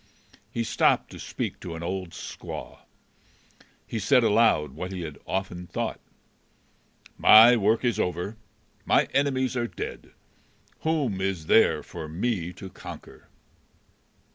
He stopped to speak to an old squaw. He said aloud what he had often thought, "My work is over, my enemies are dead. Whom is there for me to conquer?"